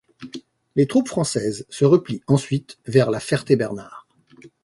Les troupes françaises se replient ensuite vers la Ferté-Bernard.